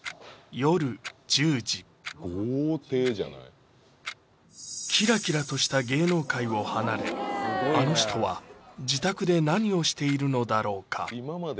夜１０時豪邸じゃないキラキラとした芸能界を離れあの人は自宅で何をしているのだろうか？